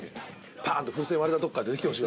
パーンと風船割れたとこから出てきてほしい。